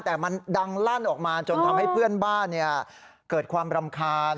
แต่มันดังลั่นออกมาจนทำให้เพื่อนบ้านเกิดความรำคาญ